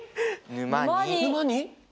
沼に。